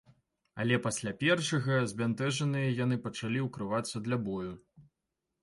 Але пасля першага збянтэжаныя яны пачалі ўкрывацца для бою.